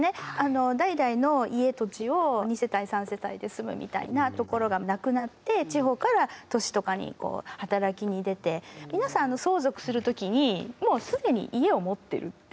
代々の家土地を２世帯３世帯で住むみたいなところがなくなって地方から都市とかに働きに出て皆さん相続する時にもう既に家を持ってるっていう。